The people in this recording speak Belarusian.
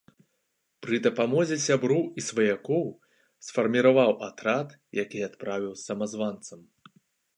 Пры дапамозе сяброў і сваякоў сфарміраваў атрад, які адправіў з самазванцам.